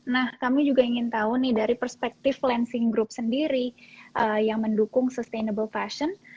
nah kami juga ingin tahu nih dari perspektif lansing group sendiri yang mendukung sustainable fashion